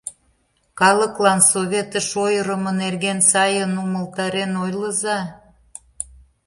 Калыклан Советыш ойырымо нерген сайын умылтарен ойлыза.